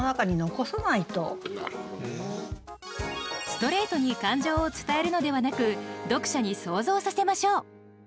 ストレートに感情を伝えるのではなく読者に想像させましょう。